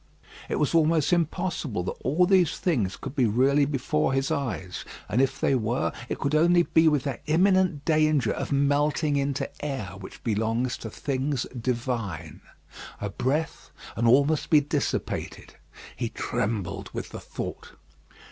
It was almost impossible that all these things could be really before his eyes; and if they were, it could only be with that imminent danger of melting into air which belongs to things divine. A breath, and all must be dissipated. He trembled with the thought.